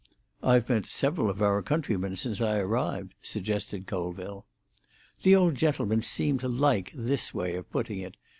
"I've met several of our countrymen since I arrived," suggested Colville. The old gentleman seemed to like this way of putting it.